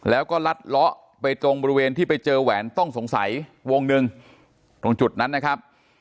แล้วก็ลัดเลาะไปตรงบริเวณที่ไปเจอแหวนต้องสงสัยวงหนึ่งตรงจุดนั้นนะครับ